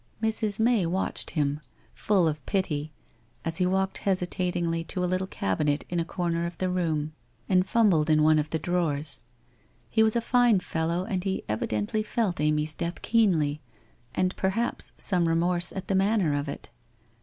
...' Mrs. May watched him, full of pity, as he walked hesi tatingly to a little cabinet in a corner of the room and fumbled in one of the drawers. He was a fine fellow and he evidently felt Amy's death keenly and perhaps some remorse at the manner of it?